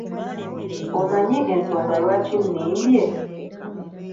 Omanyi ensonga lwaki nnimbye?